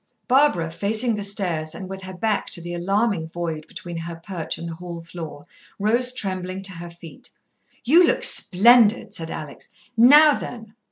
Barbara, facing the stairs, and with her back to the alarming void between her perch and the hall floor, rose trembling to her feet. "You look splendid," said Alex. "Now then!"